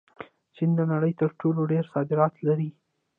چین د نړۍ تر ټولو ډېر صادرات لري.